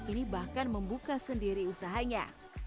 kini bahkan membuka sendiri usahanya